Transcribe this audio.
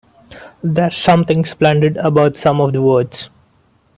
There’s something splendid about some of the words.